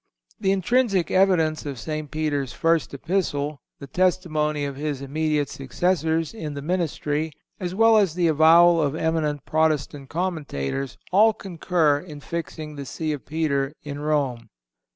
The intrinsic evidence of St. Peter's first Epistle, the testimony of his immediate successors in the ministry, as well as the avowal of eminent Protestant commentators, all concur in fixing the See of Peter in Rome.